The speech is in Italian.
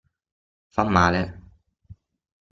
Fa male.